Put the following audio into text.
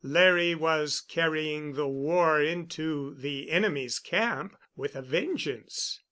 Larry was carrying the war into the enemy's camp with a vengeance.